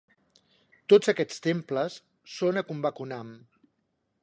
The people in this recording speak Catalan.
Tots aquests temples són a Kumbakonam.